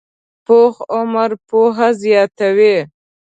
پوخ عمر پوهه زیاته وي